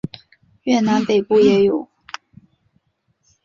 越南北部也有。